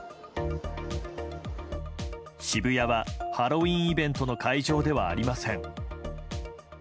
「渋谷はハロウィーンイベントの会場ではありません」。